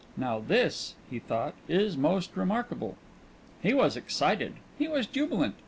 "Now this," he thought, "is most remarkable." He was excited. He was jubilant.